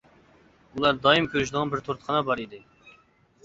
ئۇلار دائىم كۈرىشىدىغان بىر تورتخانا بار ئىدى.